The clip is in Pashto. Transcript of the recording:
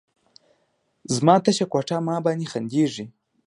زما تشه کوټه، ما باندې خندیږې